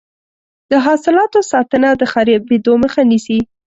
د حاصلاتو ساتنه د خرابیدو مخه نیسي.